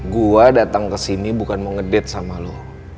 gue datang kesini bukan mau ngedate sama lo